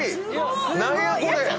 何や⁉これ！